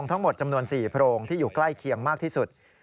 ทั้งหมดจำนวน๔โพรงที่อยู่ใกล้เคียงมากที่สุด